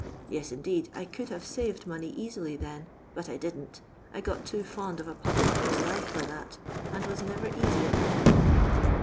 Tes, indeed, I could have saved money easily then, but I didn't; I got too fond of a publie hoiiie life for that, and was never cosy at home."